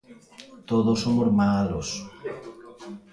Todos somos malos.